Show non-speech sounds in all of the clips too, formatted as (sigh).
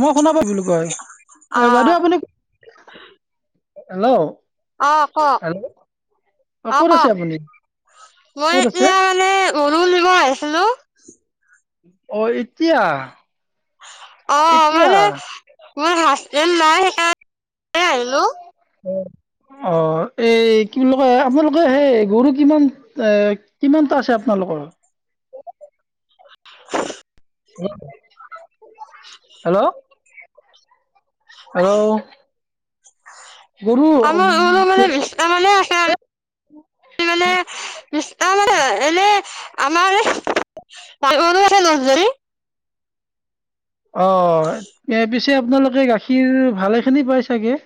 মই শুনা পা বুলো কয় বাইদেউ অ', আপুনি হেল্ল' অ কওক হেল্ল' অ ক'ত আছে কওক আপুনি মই ক'ত আছে এতিয়া মানে উৰোল দিব আহিছিলো (unintelligible) অ এতিয়া অ', এতিয়া মানে মোৰ হাজবেণ্ড নাই সেইকাৰণে আহিলো অ অ এই কি বুলি কয় আপোনালোকে সেই গৰু কিমান এ কিমানটা আছে আপোনালোকৰ (unintelligible) হেল্ল' (unintelligible) হেল্ল গৰু আমাৰ গৰু মানে বিছ মানে আছে মানে বিছ তো এনে আমাৰ ডাঙ মানুহ আছে অ ইয়াৰ আপোনালোকে গাখীৰ ভালে খিনি পাই চাগে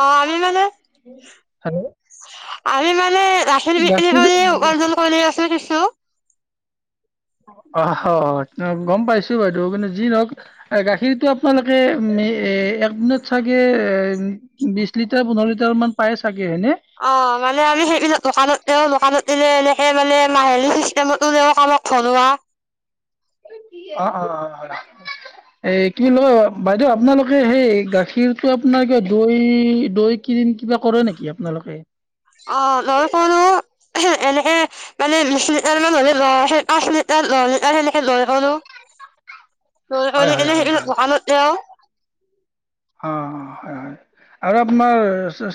অ আমি মানে আমি মানে গাখীৰ বিক্ৰী কৰি উপাৰ্জন কৰি আছো কিছু অ গম পাইছো বাইদেউ কিন্তু যি ধৰক গাখীৰতটো আপোনালোকে উ এ একদিনত চাগে এ বিশ লিটাৰ পোন্ধৰ লিটাৰ মান পায় চাগে হয়নে অ মানে আমি সেইবিলাক দোকানত কামতলে এনেকে মানে মাহেলী চিষ্টেমতোও কামক ঘনা অ অ এ কি লয় বাইদেউ আপোনালোকে সেই গাখীৰটো আপোনাৰ কিবা দৈ দৈ কিনম কিবা কৰে নেকি আপোননালোকে অ' লৈ (unintelligible) এনে এ মানে, বিশ মিনিট মান হ'লে (unintelligible) (unintelligible) এনে হেৰি দোকানত হয় হয় হয় হয় এ আৰু অ' হয়! হয়! আৰু আপোনাৰ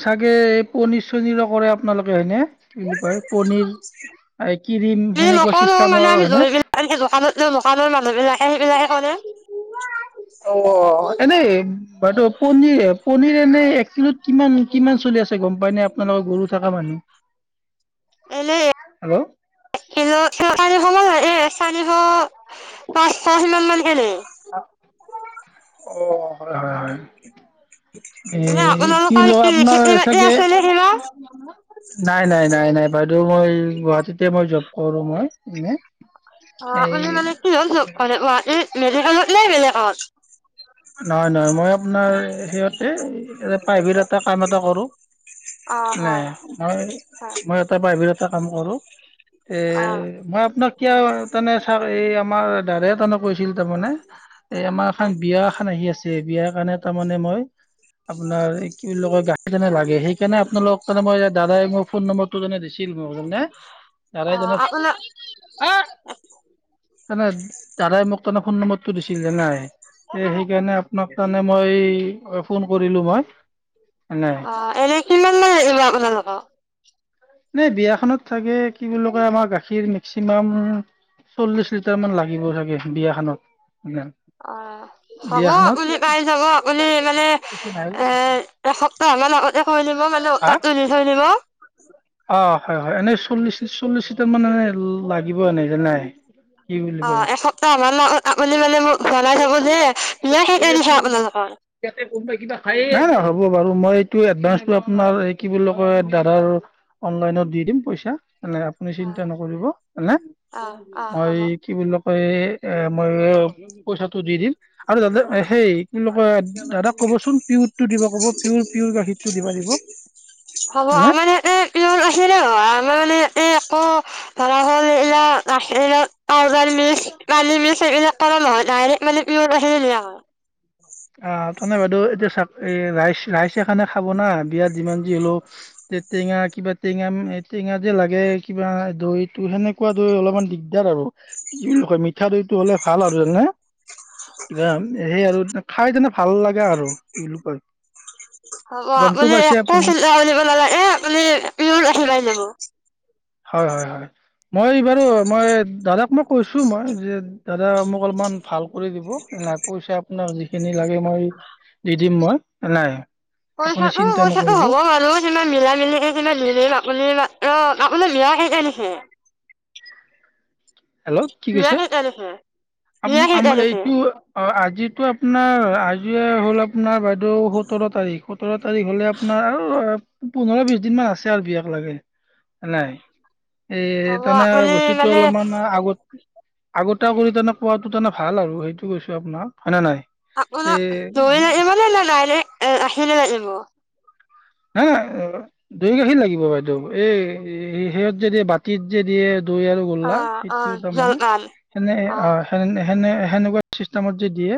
চাগে, এই পনীৰ চনীৰো কৰে আপোনালোকে হয়নে? এই কি বুলি কয়, পনীৰ এই ক্ৰীম, আমি সেনেকুৱা নকৰো মানে চিষ্টেমৰ আমি হয়নে? দৈ বিলাক আনি দোকানত দিওঁ দোকানৰ মানুহ বিলাকে সেইবিলাকে কৰে। অ' এনেই বইদেউ পনীৰ, পনীৰ এনে এক কিলোত কিমান কিমান চলি আছে, গম পাই নে? আপোনালোকৰ গৰু থকা মানুহ। এনে এক হেল্ল' কিলো (unintelligible) হ'ব লাগ। চাৰিশ, পাচশ তেনেকুৱা। (unintelligible) অ' হয়! হয়! হয়! এ এনে কি আপোনালোকৰ হ'ল আপোনাৰ খেতি বাতি চাগে আছে নে কিবা? নাই! নাই! নাই! নাই বাইদেউ, মই, গুৱাহাটীতে মই জব কৰোঁ মই এনে। অ' এই আপোনি মানে কিহৰ জ'ব কৰে গুৱাহাটীত? মেডিকেলত নে বেলেগত? নহয়! নহয়! মই আপোনাৰ হেৰিয়াতেই প্ৰাইভেটত এটা, কাম এটা কৰোঁ। অ', নাই, হয় মই, হয় মই এটা প্ৰাইভেটত এটা কাম কৰোঁ। এ অ', মই আপোনাক এতিয়া তেনে ছাৰ, এই আমাৰ দাদা এজনে কৈছিল তাৰমানে। এই আমাৰ এখন হয় বিয়া আহি আছে, বিয়াৰ কাৰণে তাৰ মানে মই, আপোনাৰ এই কি বুলি কয়, গাখীৰ লাগে। সেই কাৰণে আপোনালোকৰ তাৰে মই, দাদাই মোৰ ফোন নম্বৰটো এনেকে দিছিল মোক, হয়নে? অ' আপোনাক তেনে দাদাই মোক তনে ফোন নম্বৰটো দিছ ছিল নাই। এ সেইকাৰণে আপোনাক মানে মই ফোন কৰিলোঁ মই। নাই অ' এনে কিমান কৈ লাগিব আপোনালোকক? এই বিয়াখনত চাগে কি বুলি কয়, আমাৰ গাখীৰ মেক্সিমাম চল্লিশ লিটাৰ মান লাগিব চাগে, বিয়াখনত। অ হ'ব বিয়াখনত আপুনি পাই যাব আপুনি মানে এ, এসপ্তাহ মান আগতে কৰি নিব মানে, হা তাত তুলি থৈ দিব। অ হয়, হয়, এনেই চল্লিশ, চল্লিশিটাৰ মানুহে লাগিব এনেই যে নাই। কি বুলি অ কয় এসপ্তাহান আগত আপুনি মানে মোক জনাই থব যে, বিয়া কেইতাৰিখে আপোনালোকৰ? হ'ব বাৰু, মই এইটো এডভান্সটো আপোনাৰ এই কি বুলি কয় ৰ অনলাইনত দি দিম পইচা। এ নাই। আপুনি চিন্তা নকৰিব, এনে। অ অ মই হ'ব কি বুলি হয়। এ মই পইচাটো দি দিম। আৰু দাদা সেই- ইটোৰ লগত দাদাক কবচোন পিউৰটো দিব কব। পিউৰ- পিউৰ গাখীৰটো দিবা দিব। হ'ব। নে আমাৰ (unintelligible) মানে পিউৰ গাখীৰে হয়। আমাৰ মানে এই আকৌ ধৰা হ'ল, এয়া গাখীৰৰ পাউদাৰ মিক্স, পানী মিক্স এইবিলাক কৰা নহয়। ডাইৰেক্ট মানে পিয়ৰ গাখীৰে দিয়া হয়। অ' তাৰমানে বাইদেউ, এতিয়া চাওক, এ ৰাইছ- ৰাইজে খানা খাব না, বিয়াৰ দিনত যি হলেও। টেঙা কিবা টেঙা- টেঙা যে লাগে কিবা, দৈটো সেনেকুৱা দৈ অলপমান দিগদাৰ আৰু। কি বুলি কয় মিঠা দৈটো হ'লে ভাল আৰু জানে? কিবা। সেই আৰু খাই তেনে ভাল লাগে আৰু, কি বুলি কয়। হ'ব। গমটো আপুনি পাইছে একো আপুনি চিন্তা কৰিব নালাগে। আপুনি পিউৰ গাখীৰ পাই যাব। হয় - হয় - হয়। মই এইবাৰো মই দাদাক মোক কৈছোঁ মই যে দাদা মোক অলপমান ভাল কৰি দিব। নাই, পইচা আপোনাক যিখিনি লাগে মই দি দিম মই। নাই। আপুনি পইচা- চিন্তা পইচাটো নকৰিব হ'ব বাৰু। সিমান মিলা-মিলিকে (unintelligible) আপুনি অ' আপোনাৰ বিয়া কেই তাৰিখে? হেল্ল'? কি বিয়া কৈছে? কেই তাৰিখে বিয়া আম- কেই আমাৰ তাৰিখে এইটো অ' আ যিটো আপোনাৰ আজি হ'ল আপোনাৰ বাইদেউ সোতৰ তাৰিখ। সোতৰ তাৰিখ হলে আপোনাৰ আৰু পোন্ধৰ- বিশ দিনমান আছে আৰু বিয়াক লাগে। নাই। এই হ'ব তানে আপুনি বস্তুটো মানে অলপমান আগতে কৰি তেনে কোৱাটো তেনে ভাল আৰু। সেইটো কৈছোঁ আপোনাক। হয়েনে নাই? এ আপোনাক দৈ লাগিব নে ডাইৰেক্ট অ' গা খীৰে লাগিব? হা, দৈ গাখীৰ লাগিব বাইদেউ। এই সেয়া যে দিয়ে, এই বাতিত যে দিয়ে দৈ আৰু অ গল্লা, অ সেইটো তাৰমানে। জলপান সেনে অ' সে সেনে- সেনেকুৱা ছিষ্টেমত যে দিয়ে।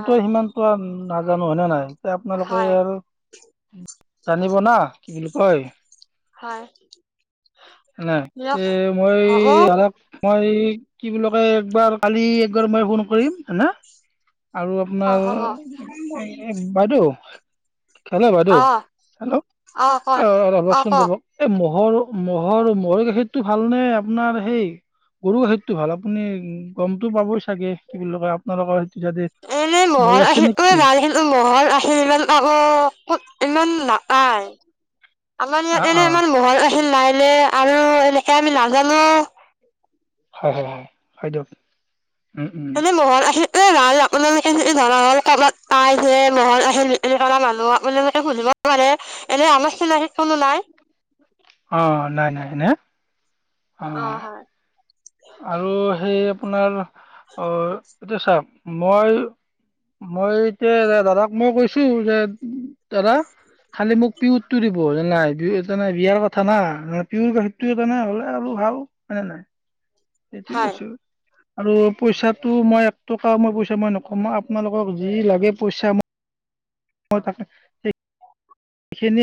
অ সিমানটো নাজানো হয়েনে নাই? আপোনালোকে হয় আৰু জানিব না, কি বুলি কয়‌ হয় না। দিয়ক এ মই হ'ব দাদাক মই কি বুলি কয়, একবাৰ কালি- একবাৰ মই ফোন কৰিম, হয় না? আৰু অ আপোনাৰ হ'ব অ এই- বাইদেউ কি হলে বাইদেউ? হেল্ল'? অ' ৰবচোন ৰব। ম'হৰ ম'হৰ ম'ৰ গাখীৰতটো ভাল নে আপোনাৰ সেই গৰু গাখীৰতটো ভাল আপুনি গমতটো পাব। এনে মৈ ম'ৰ আছে আছিল নেকি ভাল ম'ৰ আছিল ইমান পাব কত ইমান না আহ। আমাৰ অঁ ইয়াত এনে অঁ ইমান ম'হৰ আহছিলিল নাই (unintelligible) (unintelligible) আৰু এনেকে আমি নাজানো হয় হয় হয় হয় দিয়ক। এনে মহন আহ এই ভাল আপোনালোকে যদি ধৰা হ'ল ক'ৰবাত পাই যে মহল আহিল এ কৰা মানুহ আপোনালোকে সুধিব পাৰে এনে আ ন কোনো নাই অ নাই নাই ন অ হয় আৰু সেই আপোনাৰ অ এতিয়া চা মই মই এতিয়া দাদাক মই কৈছো যে দাদা খালি মোক পিউতটো দিব নাই বি এ নাই বিয়াৰ কথা না হয় পিিয়ৰ গাখীৰটো এটা নাই হ'লে আৰু ভাল হয়নেে নহাই সেইটোয় হয় কৈছো আৰু পইচাটো মই এক টকা মই পইচা মই নকম আপোনালোকক যি লাগে পইচা মই! তাকঠ সখিনি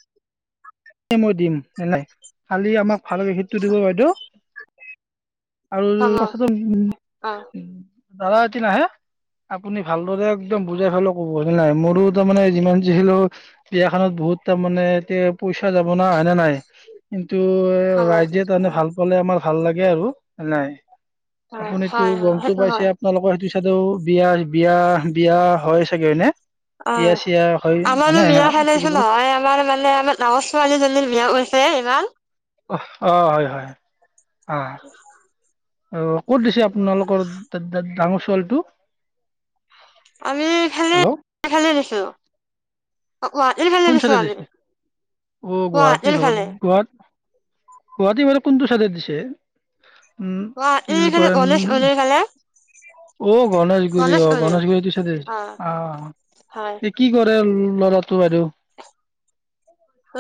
মই দিম ন নাই খালি আমাক ভালে কেষিটো দিব বাইদেউ আৰু হ'ব কথাটো উ অ উ দাদা এতি নাহে। আপুনি ভালদৰে একদম বুজাই ফালে ক'ব হয় নাই মোৰো তাৰ মমানে যিমান যিখছিলো বিয়া খানত বহুত তাৰ মমানে তে যাব না হয়নে নাই কিন্তু হ'ব ৰাইজে তাৰমানে অ ভাল পালে আমাৰ ভাল লাগে আৰু নাই হয় আপুনিতো হয় হয় গমতটো সেইটো পাইছে হয় আপোনালোকৰ সেইটো। সেদৌ বিয়া বিয়া বিয়া হয় চাগেনে। অ বিয়া চিয়া হয় আমাৰো হয়নে বিয়া কি খেলাইছো বুলি কয়? নহয় আমাৰ মানে আমাৰ ডাঙৰ ছোৱালীজনীৰ বিয়া কৈছে। (unintelligible) অ হয় হয় হয় অ ক'ত দিছে আপোনালোকৰ ডা ডা ডাঙৰ ছোৱালীটো? আমি খালে হেল্ল' খালে দিছো। গুৱাহাটী ফালে কোন দিছোঁ চাইডে আমি দিছে অ গুৱাহাটী ভাল ফালে। গুৱাহাটী গুৱাহাটী ফালে কোনটো চাইদে দিছে? উম, কি বুলি কয় (unintelligible) অ গণেশগুৰি গণেশ অ গণেশ গণেশগুৰিটো চইদে। অ আহ হয় এ কি কৰে ল ল'ৰাটো আৰু,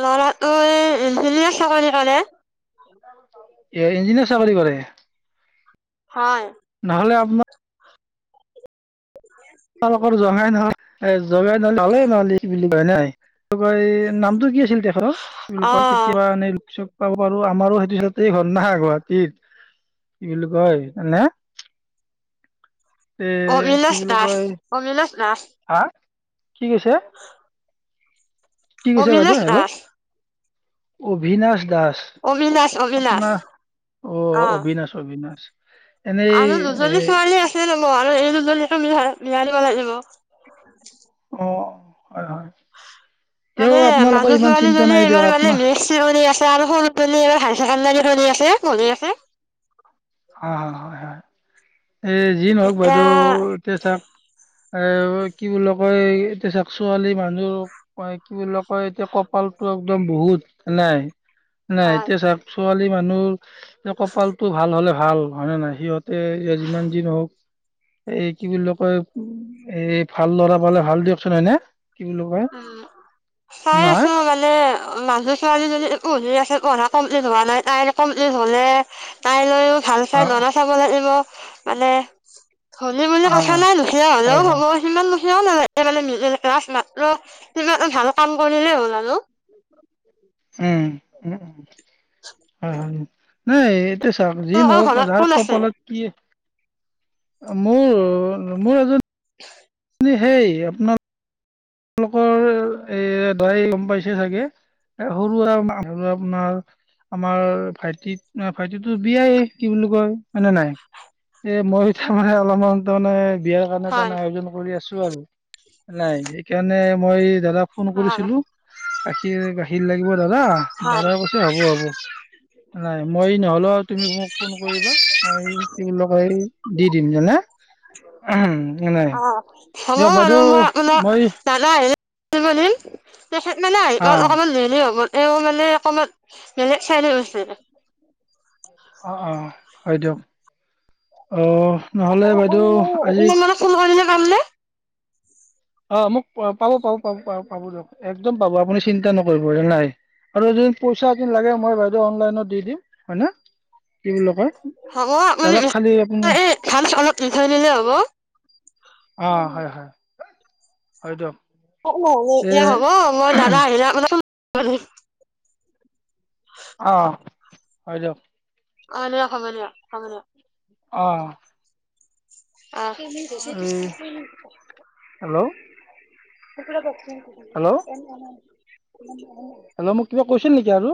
ল'ৰাটো এ ইঞ্জিয়াৰ চাকৰি কৰে। এ ইঞ্জিনিয়াৰ চাকৰী কৰে। হয়। ম তালোকৰ জঙাই নহয় এ জঙাই ন হলেই নহলে বুলি কয় নাই কয়। নামটো কি আছ? ছিল তেখেতৰ অ লোকৰ কেতিয়া এনে ৰোক চোক। পাব পাৰো আমাৰো সেইটোছতেই ঘৰ নখা গুৱাহাটীৰ কি বুলি কয় নানে এ কি বুলিলো (unintelligible) নাছ হা কি কৈছে? কি কৈছে বাইদেউ? অবিনাশ হেল্ল' দাস অভিনাশ দাস অবিনাশ অবিনাশ আপোনাৰ অ অবিনাশ অবিনাশ এনেই আন দুজলি এ ছোৱালী আছে ন ম দুজৰ্কয়য়য়য়য় লি মিলাই মিলাই দিব লাগিব অ হয় হয় তেওঁ মানে আপোনালোকৰ মানুহ ইমান চিন্তা মালীজন নাই দিয়ক এবাৰ মানে আপোনাৰ মেণী আছে আৰু সৰু পী এবাৰ হাই চেডাৰ ধনি আছে ধৰি আছে ‌‌। হ হয় হয় এ যি নহওক এতিয়া বাইদেউতিয়া চও এ কি বুলি কয় এতিয়া চাক ছোৱালী মানুহ কি বুলিো কয় এতিয়া কপালতো একদম বহুত ন নাই নাই হয় এতিয়া চাক ছোৱালী মানুহৰ এই কপাল টো ভাল হ'লে ভাল হয়নেে নয় সিহঁতে যিমান যি নহওক এই কি বুলি কয় এই ভাল ল'ৰা পালে ভাল দিয়কচোন নহ ন উম চাই আছো নহয় মানে মানুহ ছোৱালী যদি একোি আছে পঢ়া মপ্লি হোৱা নমপ্লি হ'লে তাই ভাল খাই অ লনা চাব লাগিব মানে হল বুলি অ কথা নাই লুখীয়া হ'লেও হয় হব হয় সিমান নে ম ৰা মাত ৰ তুমিটা ভাল কাম কৰিলেই হ'ল আৰু উম উম উ উ নাই চাওক যি তোমালোকৰ নহওক ঘৰত যাৰ কোন আছে কপালত কি মোৰ মোৰ এজন সেই আপোনাৰ তেওঁলোকৰ এ দৰা গম পাইছে চাগে সৰুৱা মান আপোনাৰ আমাৰ ভাইটিত ভাইটিো বিয়াই কি বুলি কয় মে নাই এ মই তাৰমানে অলপমান তাৰমানে বিয়াৰ কাৰণে হয় তানে আয়োজন কৰি আছো আৰু নাই স কেণে মই দাদা ফোন অ কৰিছিলো গাখীৰ গাীৰ শ লাগিব দাদা হয় দাদাই কৈছে হ'ব হ'ব নাই মই নহ'লেও তুমি মোক ফোন কৰিবা মই লগাই দি দিম জানে উ এনোই অসমৰ মানুহৰ মোৰ মপোনাৰ দানা। ম তেখেত মানে হৰি অঁ অকমান ধৰিলেই হ'ল এ মানে অকণমান বেলে চাইছে। অ অ হয় দিয়ক আহ ইনে মানে ফোন কৰিলে পামনে অ মোক পাব পাব পাব পাব দিয়ক একদম পাব আপুনি চিন্তা নকৰিব নাই আৰু য পইচা এ লাগে মই বাইদেউ অনলাইনত দি দিম হয় ন হ'ব মানে খালি আপুনি ভাল অলপ। ধাই লিলে হব অ হয় হয় হয় দিয়ক। ন এতিয়া এই হব মই দাদা আহিলা উ অঁ হয় দ অনিয় খামনীয়াা খামনীয়াা অ অতি সৰা হেল্ল' কথা। হেল্ল' এ উ হেল্ল' মোক কিবা কৈছিল নেকি আৰু